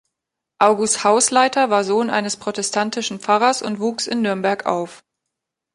August Haußleiter war Sohn eines protestantischen Pfarrers und wuchs in Nürnberg auf.